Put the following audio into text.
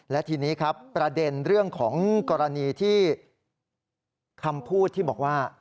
และทีนี้ครับประเด็นเรื่องของกรณีที่คำพูดที่บอกว่า